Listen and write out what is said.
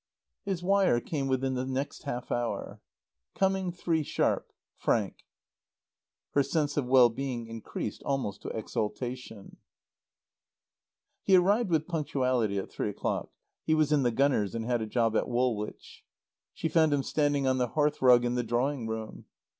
His wire came within the next half hour. "Coming three sharp. FRANK." Her sense of well being increased almost to exaltation. He arrived with punctuality at three o'clock. (He was in the gunners and had a job at Woolwich.) She found him standing on the hearth rug in the drawing room.